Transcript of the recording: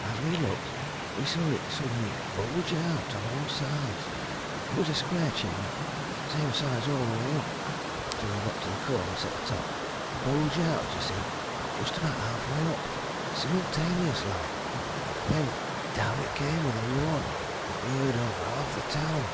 As we looked we saw it suddenly bulge out, on all sides it was a square chimney, same size all the way up till you got to the cornice at the top bulge out, d'ye see, just about half way up simultaneous, like. Then down it came with a roar that they heard over half the town!